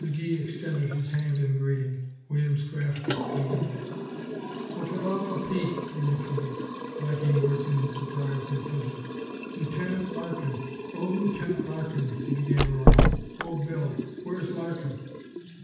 McGee extended his hand in greeting. Williams grasped it, eagerly. "Well, for the luva Pete?" he repeated, lacking words in his surprise and pleasure. "Lieutenant Larkin! Oh, Lieutenant Larkin!" he began roaring. "Oh, Bill! Where's Larkin?"